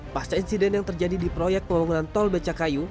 pas insiden yang terjadi di proyek pembangunan tol becakayu